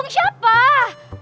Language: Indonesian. kacau selapan sih